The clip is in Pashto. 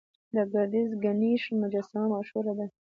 د ګردیز ګنیش مجسمه مشهوره ده